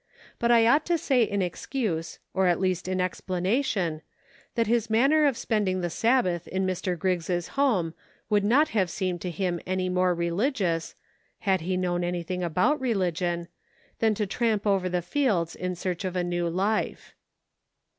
But I ought to say in excuse, or at least in explanation, that his man ner of spending the Sabbath in Mr. Griggs' home would not have seemed to him any more religious, — had he known anything about religion, — than to tramp over the fields in search of a new life.